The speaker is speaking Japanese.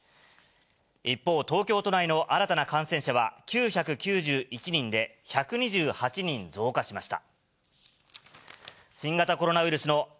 一方、東京都内の新たな感染者は９９１人で、１２８人増加しました。